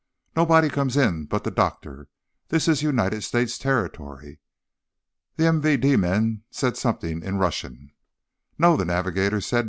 Nobody comes in but the doctor. This is United States territory." The MVD men said something in Russian. "No," the navigator said.